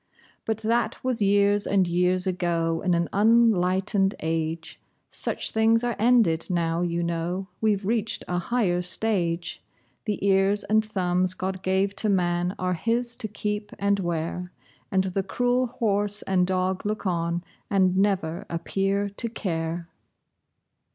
But that was years and years ago, in an unenlightened age! Such things are ended, now, you know; we've reached a higher stage. The ears and thumbs God gave to man are his to keep and wear, And the cruel horse and dog look on, and never appear to care.